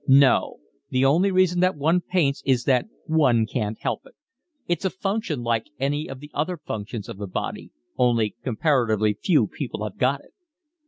"No. The only reason that one paints is that one can't help it. It's a function like any of the other functions of the body, only comparatively few people have got it.